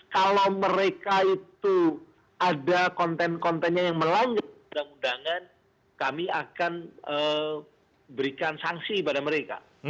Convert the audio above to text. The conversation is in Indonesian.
kalau mereka itu ada konten kontennya yang melanggar undang undangan kami akan berikan sanksi pada mereka